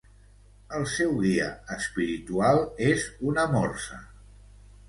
El seu guia espiritual és una morsa.